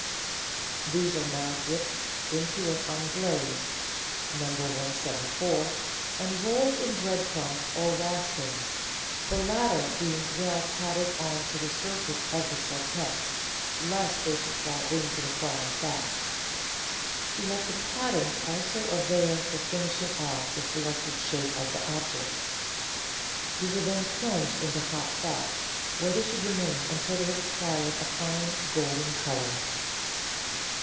These are now dipped into an Anglaise (No. 174) and rolled in bread crumbs or raspings, the latter being well patted on to the surface of the croquettes, lest they should fall into the frying fat. Let the patting also avail for finishing off the selected shape of the objects. These are then plunged into hot fat, where they should remain until they have acquired a fine, golden colour.